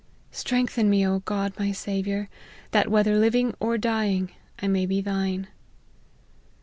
Strengthen me, O God my Sa viour ! that, whether living or dying, I may be thine."